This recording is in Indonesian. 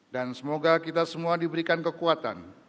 dan semoga kita semua diberikan kekuatan